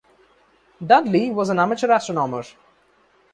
Dudley was an amateur astronomer.